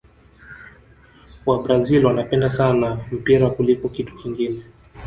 wabrazil wanapenda sana mpira kuliko kitu kingine